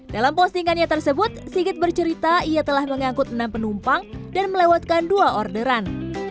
dalam postingannya tersebut sigit bercerita ia telah mengangkut enam penumpang dan melewatkan dua orderan